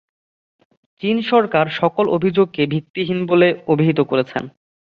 চীন সরকার সকল অভিযোগকে ভিত্তিহীন বলে অভিহিত করেছে।